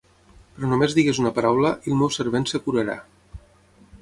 Però només digues una paraula i el meu servent es curarà.